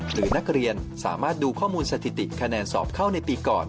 หรือนักเรียนสามารถดูข้อมูลสถิติคะแนนสอบเข้าในปีก่อน